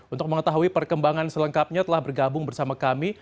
untuk mengetahui perkembangan selengkapnya telah bergabung bersama kami